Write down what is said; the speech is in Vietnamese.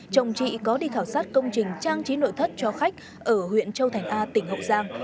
chồng chị có đi khảo sát công trình trang trí nội thất cho khách ở huyện châu thành a tỉnh hậu giang